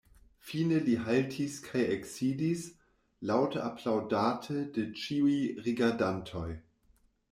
Fine li haltis kaj eksidis, laŭte aplaŭdate de ĉiuj rigardantoj.